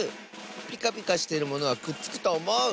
ピカピカしてるものはくっつくとおもう！